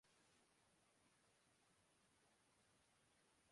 تین نئی کمپنیوں کو پاکستان میں اسمبلنگ پلانٹس لگانے کی اجازت مل گئی